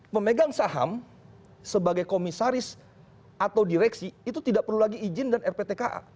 memegang saham sebagai komisaris atau direksi itu tidak perlu lagi izin dan rptka